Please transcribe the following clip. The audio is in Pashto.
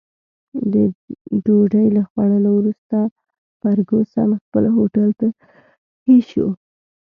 د ډوډۍ له خوړلو وروسته فرګوسن خپل هوټل ته رهي شوه.